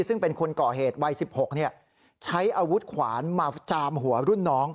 ซึ่งเป็นคนก่อเหตุวัย๑๖ใช้อาวุธขวานมาจามหัวรุ่นน้อง